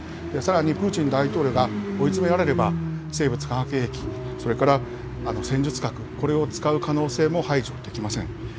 さらにプーチン大統領が追い詰められれば、生物化学兵器、それから戦術核、これを使う可能性も排除できません。